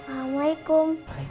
aku gak capek